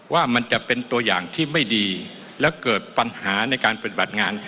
ว่ามันจะเป็นตัวอย่างที่ไม่ดีและเกิดปัญหาในการปฏิบัติงาน